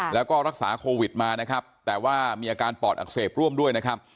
แล้วก็รักษาโควิดมานะครับแต่ว่ามีอาการปอดอักเสบร่วมด้วยนะครับ